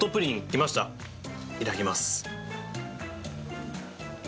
いただきます。